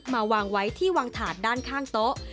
มาวางไว้ที่วางถาดด้านข้างโต๊ะ